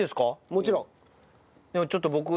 もちろん。